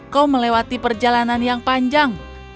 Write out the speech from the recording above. kau melewati perjalanan yang panjang